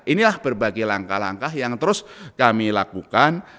inilah berbagai langkah langkah yang terus kami lakukan